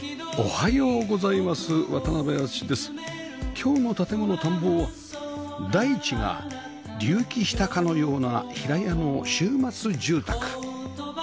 今日の『建もの探訪』は大地が隆起したかのような平屋の週末住宅